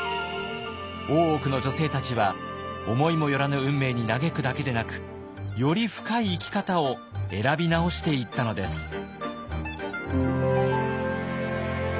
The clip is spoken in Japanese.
大奥の女性たちは思いも寄らぬ運命に嘆くだけでなくより深い生き方を選び直していったのです。